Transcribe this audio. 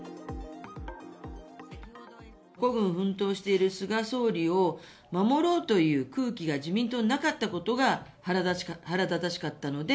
孤軍奮闘している菅総理を守ろうという空気が自民党になかったことが腹立たしかったので。